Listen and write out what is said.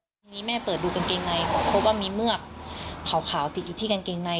ทีนี้แม่เปิดดูกางเกงในพบว่ามีเมือกขาวติดอยู่ที่กางเกงใน